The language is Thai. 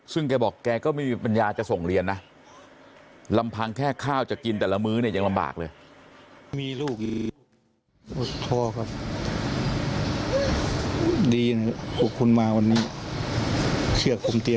ซึ่งแกบอกแกก็ไม่มีปัญญาจะส่งเรียนนะลำพังแค่ข้าวจะกินแต่ละมื้อเนี่ยยังลำบากเลย